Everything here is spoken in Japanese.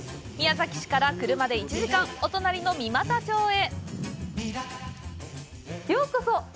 宮崎市から車で１時間お隣の三股町へ。